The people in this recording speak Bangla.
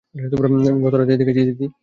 গত রাতেই দেখেছি, দিদি।